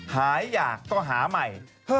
อยากก็หาใหม่